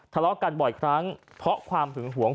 ทะเลาะกันบ่อยครั้งเพราะความหึงหวง